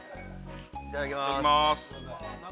いただきます。